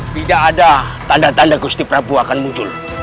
tidak ada tanda tanda gusti prabu akan muncul